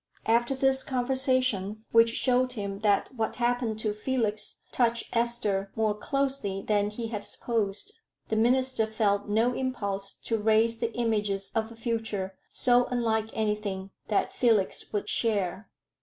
After this conversation, which showed him that what happened to Felix touched Esther more closely than he had supposed, the minister felt no impulse to raise the images of a future so unlike anything that Felix would share.